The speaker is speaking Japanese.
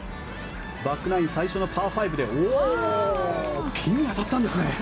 バックナイン最初のパー５でピンに当たったんですね。